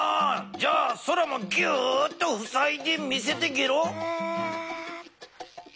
じゃあそらもギューッとふさいで見せてゲロ。